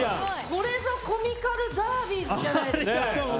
これぞコミカルダービーズじゃないですか。